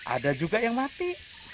ada juga yang mati